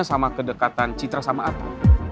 sama kedekatan citra sama apa